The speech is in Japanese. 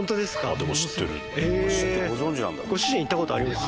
ご主人行った事あります？